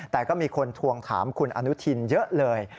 แต่ก็มีคนทวงถามคุณอนุทินเยอะเลย